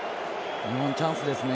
日本、チャンスですね。